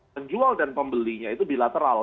penjual dan pembelinya itu bilateral